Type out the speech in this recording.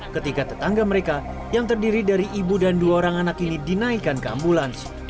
ketika tetangga mereka yang terdiri dari ibu dan dua orang anak ini dinaikkan ke ambulans